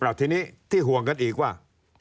แล้วทีนี้ที่ห่วงกันอีกว่า